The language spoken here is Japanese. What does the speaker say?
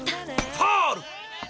ファウル！